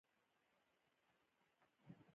• هوښیار زوی د پلار ویاړ وي.